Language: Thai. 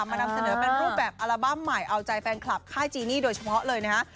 นำเสนอเป็นรูปแบบอัลบั้มใหม่เอาใจแฟนคลับค่ายจีนี่โดยเฉพาะเลยนะฮะ